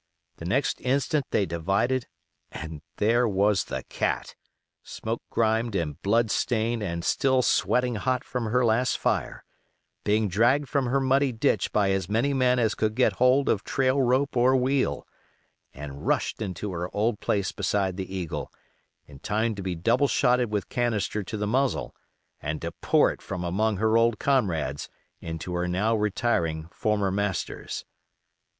The next instant they divided, and there was the Cat, smoke grimed and blood stained and still sweating hot from her last fire, being dragged from her muddy ditch by as many men as could get hold of trail rope or wheel, and rushed into her old place beside the Eagle, in time to be double shotted with canister to the muzzle, and to pour it from among her old comrades into her now retiring former masters.